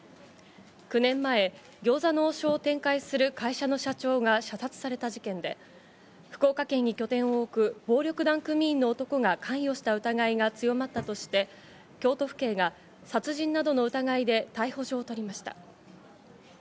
９年前、餃子の王将を展開する会社の社長が射殺された事件で、福岡県に拠点を置く暴力団組員の男が関与した疑いが強まったとして、京都府警が殺人などの疑いで逮捕状を取りました。